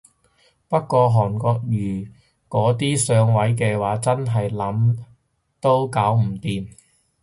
不過韓國瑜嗰啲上位嘅話真係點諗都搞唔掂